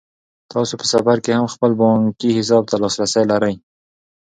تاسو په سفر کې هم خپل بانکي حساب ته لاسرسی لرئ.